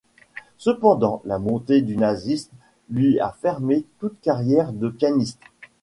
Cependant la montée du nazisme lui a fermé toute carrière de pianiste.